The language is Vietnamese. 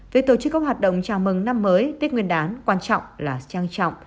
về tổ chức các hoạt động chào mừng năm mới tích nguyên đán quan trọng là trang trọng